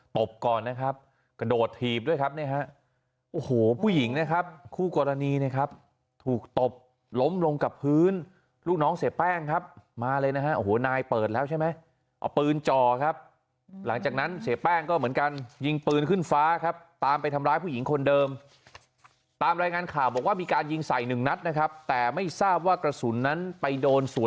บก่อนนะครับกระโดดถีบด้วยครับเนี่ยฮะโอ้โหผู้หญิงนะครับคู่กรณีนะครับถูกตบล้มลงกับพื้นลูกน้องเสียแป้งครับมาเลยนะฮะโอ้โหนายเปิดแล้วใช่ไหมเอาปืนจ่อครับหลังจากนั้นเสียแป้งก็เหมือนกันยิงปืนขึ้นฟ้าครับตามไปทำร้ายผู้หญิงคนเดิมตามรายงานข่าวบอกว่ามีการยิงใส่หนึ่งนัดนะครับแต่ไม่ทราบว่ากระสุนนั้นไปโดนสวน